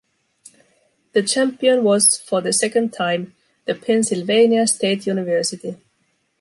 The champion was, for the second time, the Pensilvania State University.